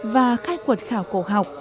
và khai quật khảo cổ học